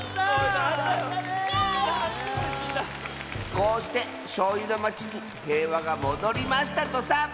こうしてしょうゆのまちにへいわがもどりましたとさ。